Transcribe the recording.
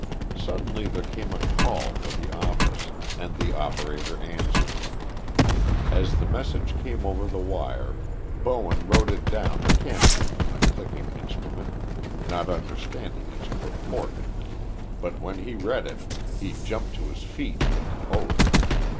Suddenly there came a call for the office, and the operator answered. As the message came over the wire, Bowen wrote it down mechanically from the clicking instrument, not understanding its purport; but when he read it, he jumped to his feet, with an oath.